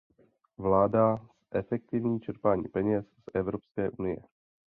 Vláda zefektivní čerpání peněz z Evropské unie.